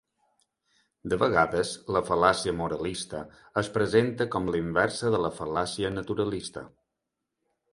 De vegades, la fal·làcia moralista es presenta com la inversa de la fal·làcia naturalista.